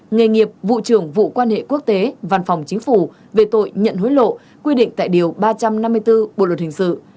nghề nghiệp vụ trưởng vụ quan hệ quốc tế văn phòng chính phủ về tội nhận hối lộ quy định tại điều ba trăm năm mươi bốn bộ luật hình sự